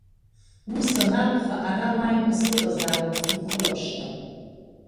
Ус анакәха, ара уааигәа сыҟазаауеит сухылаԥшлап…